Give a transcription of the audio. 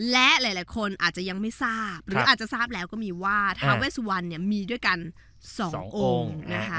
และหลายคนอาจจะยังไม่ทราบหรืออาจจะทราบแล้วก็มีว่าทาเวสวันเนี่ยมีด้วยกันสององค์นะคะ